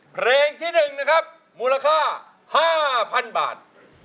เพลงที่๑นะครับมูลค่า๕๐๐๐บาท